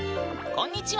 こんにちは！